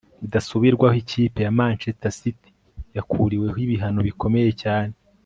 bidasubirwaho ikipe ya manchester city yakuriweho ibihano bikomeye cyane